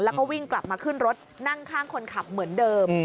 แล้วก็วิ่งกลับมาขึ้นรถนั่งข้างคนขับเหมือนเดิม